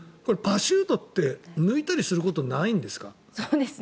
パシュートって抜いたりすることないんですか？